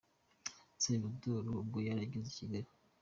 Salvador ubwo yari ageze i Kigali.